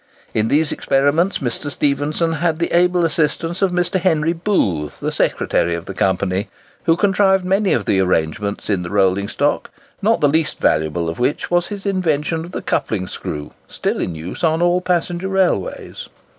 In these experiments Mr. Stephenson had the able assistance of Mr. Henry Booth, the secretary of the Company, who contrived many of the arrangements in the rolling stock, not the least valuable of which was his invention of the coupling screw, still in use on all passenger railways.